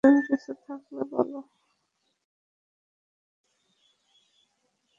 নতুন কিছু থাকলে বলো।